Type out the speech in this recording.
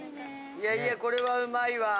いやいやこれはうまいわ。